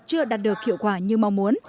chưa đạt được hiệu quả như mong muốn